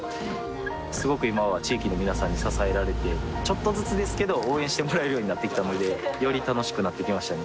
すごく今は地域の皆さんに支えられてちょっとずつですけど応援してもらえるようになってきたのでより楽しくなってきましたね